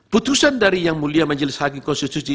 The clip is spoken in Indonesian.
putusan dari yang mulia majelis hakim konstitusi